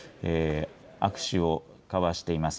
握手を交わしています。